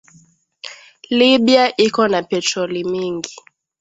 Libya iko na petroli mingi